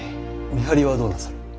見張りはどうなさる。